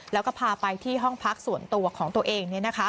แล้วก็พาไปที่ห้องพักส่วนตัวของตัวเอง